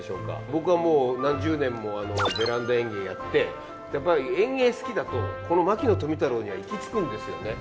僕はもう何十年もベランダ園芸やってやっぱり園芸好きだとこの牧野富太郎には行き着くんですよね。